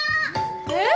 えっ？